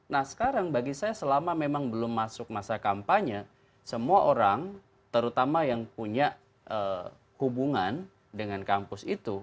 nah sekarang bagi saya selama memang belum masuk masa kampanye semua orang terutama yang punya hubungan dengan kampus itu